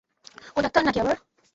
ও doctor না-কি আবার?